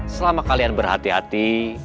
selama kalian berhati hati